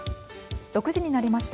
６時になりました。